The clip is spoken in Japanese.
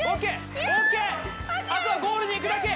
あとはゴールに行くだけ！